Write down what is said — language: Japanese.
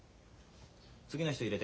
次の人入れて。